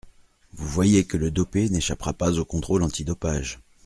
Vous voyez que le dopé n’échappera pas au contrôle antidopage.